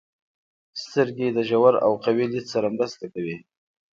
• سترګې د ژور او قوي لید سره مرسته کوي.